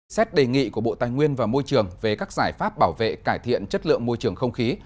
xét đề nghị của bộ tài nguyên và môi trường về các giải pháp bảo vệ cải thiện chất lượng môi trường không khí